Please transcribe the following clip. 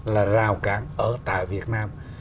là rào cản ở tại việt nam